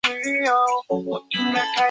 若没被记录下来